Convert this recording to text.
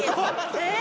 えっ！？